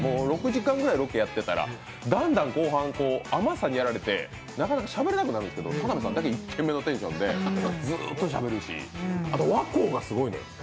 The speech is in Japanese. ６時間ぐらいロケやってたら、だんだん後半、甘さにやられてなかなかしゃべれなくなるんですけど、田辺さんだけ１店目のテンションでずっとしゃべるし、あと和光がすごいね。